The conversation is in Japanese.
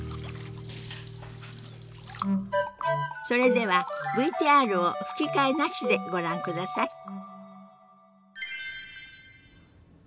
それではＶＴＲを吹き替えなしでご覧ください。